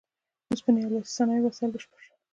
اوسپنې او لاسي صنایعو وسایل بشپړ شول.